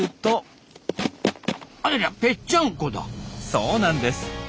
そうなんです。